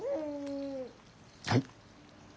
はい？